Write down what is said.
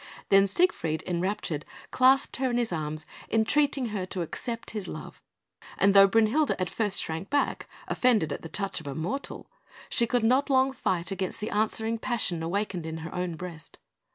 Then Siegfried, enraptured, clasped her in his arms, entreating her to accept his love; and though Brünhilde at first shrank back, offended at the touch of a mortal, she could not long fight against the answering passion awakened in her own breast.